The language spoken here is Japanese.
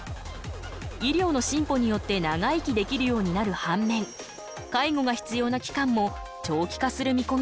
医療の進歩によって長生きできるようになる反面介護が必要な期間も長期化する見込みだ。